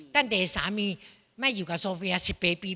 ตั้งแต่สามีไม่อยู่กับโซเฟียสิบเป็นปี